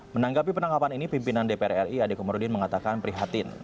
menanggapi penangkapan ini pimpinan dpr ri adekomorudin mengatakan prihatin